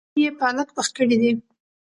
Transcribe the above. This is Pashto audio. نن يې پالک پخ کړي دي